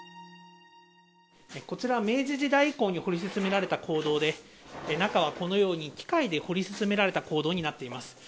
こちらは明治時代以降に掘り進められた坑道で、中はこのように機械で掘り進められた坑道になっています。